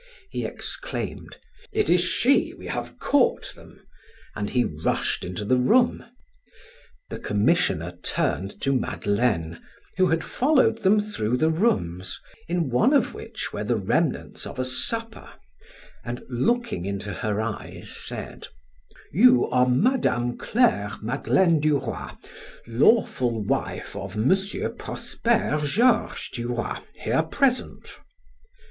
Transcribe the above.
He exclaimed: "It is she. We have caught them," and he rushed into the room. The commissioner turned to Madeleine, who had followed them through the rooms, in one of which were the remnants of a supper, and looking into her eyes said: "You are Mme. Claire Madeleine du Roy, lawful wife of M. Prosper Georges du Roy, here present?"